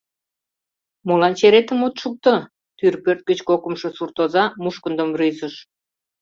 — Молан черетым от шукто? — тӱр пӧрт гыч кокымшо суртоза мушкындым рӱзыш.